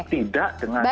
tidak dengan cara